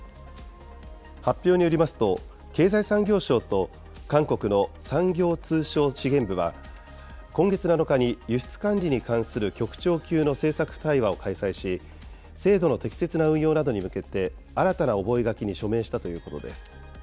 発表によりますと、経済産業省と韓国の産業通商資源部は、今月７日に輸出管理に関する局長級の政策対話を開催し、制度の適切な運用などに向けて、新たな覚書に署名したということです。